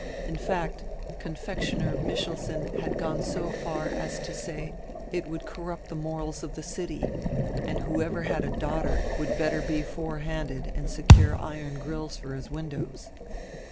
In fact, Con fectioner Michelsen had gone so far as to say it would corrupt tire morals of the city, and whoever had a daughter would better be forehanded and secure iron grills for his windows."